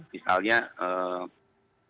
misalnya menyebar ke